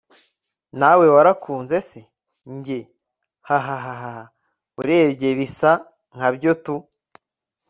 nawe warakunze se!? njye hahahaha! urebye bisa nkabyo tu